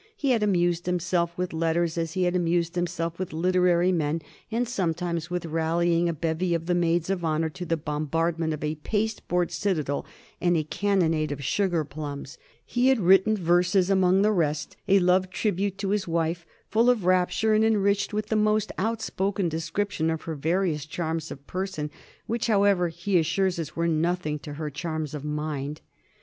He had amused himself with letters as he had amused himself with literary men, and sometimes with rallying a bevy of the maids of honor to the bombardment of a pasteboard citadel and a cannonade of sugar plums^ 278 A HISTORY OF THE FOUR GEORGES, ch. zxxix. He had written verses ; among the rest, a love tribute to his wife, full of rapture and enriched with the most out spoken description of her various charms of person, which, however, he assures us, were nothing to her charms of mind.